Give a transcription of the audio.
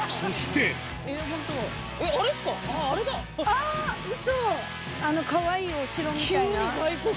あのかわいいお城みたいな？